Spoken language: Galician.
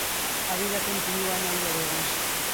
A vida continúa na illa de Ons.